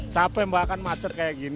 capek bahkan macet seperti ini